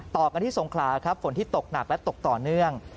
ต่อกันที่สงขลาครับฝนที่ตกหนักและตกต่อเนื่อง